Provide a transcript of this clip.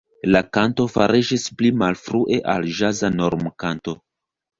La kanto fariĝis pli malfrue al ĵaza normkanto.